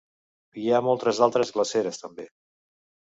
Hi ha moltes altres glaceres també.